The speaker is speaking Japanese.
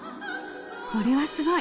これはすごい。